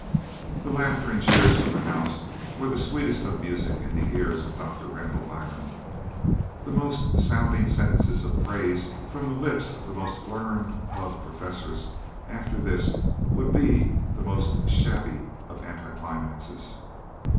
The laughter and cheers from the house were the sweetest of music in the ears of Doctor Randall Byrne; the most sounding sentences of praise from the lips of the most learned of professors, after this, would be the most shabby of anticlimaxes.